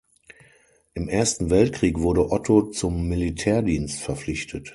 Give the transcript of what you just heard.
Im Ersten Weltkrieg wurde Otto zum Militärdienst verpflichtet.